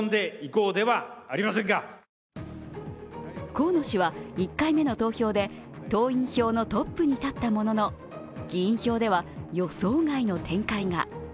河野氏は１回目の投票で党員票のトップに立ったものの議員票では予想外の展開が。